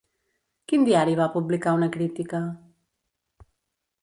Quin diari va publicar una crítica?